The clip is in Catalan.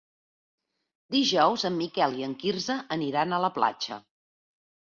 Dijous en Miquel i en Quirze aniran a la platja.